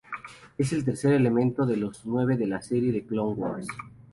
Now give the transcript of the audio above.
Es el tercer elemento de los nueve de la serie Clone Wars.